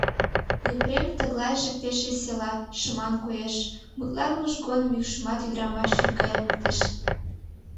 Епрем тыглайже пеш весела, шыман коеш, мутланымыж годым йӱкшымат ӱдырамаш йӱк гайым луктеш.